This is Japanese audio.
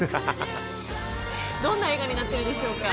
どんな映画になっているんでしょうか。